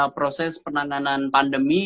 proses penanganan pandemi